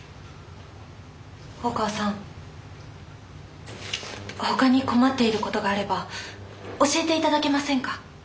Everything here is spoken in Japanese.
大川さんほかに困っていることがあれば教えていただけませんか？